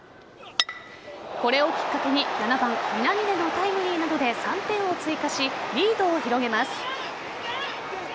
これをきっかけに７番・南出のタイムリーなどで３点を追加し、リードを広げます。